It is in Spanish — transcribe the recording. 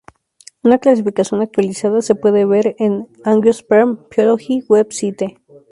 Una clasificación actualizada se puede ver en "Angiosperm Phylogeny Website".